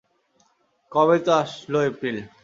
কবেই তো আসলো এপ্রিল!